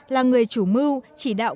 là người chủ mưu chỉ đạo